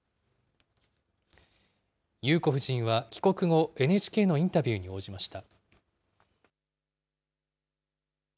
裕子夫人は帰国後、ＮＨＫのインタビューに応じました。